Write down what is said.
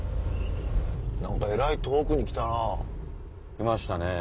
何かえらい遠くに来たな。来ましたね。